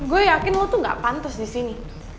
gue yakin lo tuh gak pantas disini